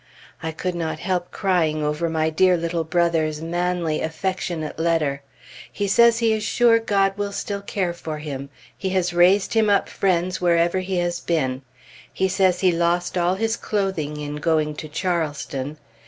I could not help crying over my dear little brother's manly, affectionate letter. He says he is sure God will still care for him, He has raised him up friends wherever he has been. He says he lost all his clothing in going to Charleston.